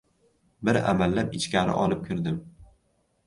Bir amallab ichkari olib kirdim.